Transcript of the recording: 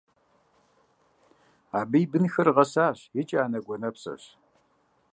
Абы и бынхэр гъэсащ икӏи анэгу-анэпсэщ.